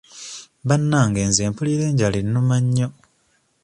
Bannange nze mpulira enjala ennuma nnyo.